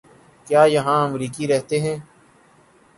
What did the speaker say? کیا یہاں امریکی رہتے ہیں؟